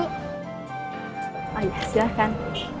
oh iya silahkan